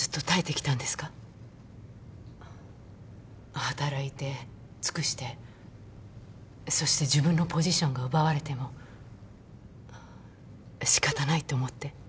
働いて尽くしてそして自分のポジションが奪われても仕方ないと思って。